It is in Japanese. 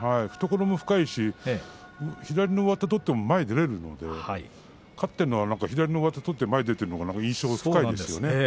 懐も深いし、左の上手を取っても前に出られるので勝っているのは左の上手を取って前に出ている印象が強いですね。